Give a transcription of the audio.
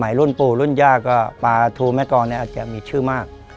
รุ่นปู่รุ่นย่าก็ปลาทูแม่กองเนี่ยอาจจะมีชื่อมาก